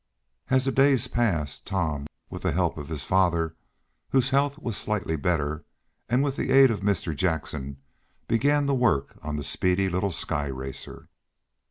As the days passed, Tom, with the help of his father, whose health was slightly better, and with the aid of Mr. Jackson, began work on the speedy little sky racer.